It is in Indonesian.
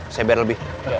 saya biar lebih